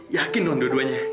yakin non dua duanya